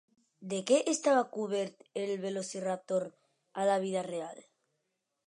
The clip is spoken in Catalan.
De què estava cobert el Velociraptor a la vida real?